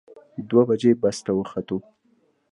دوه بجې بس ته وختو.